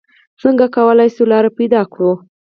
څنګه کولې شو لاره پېدا کړو؟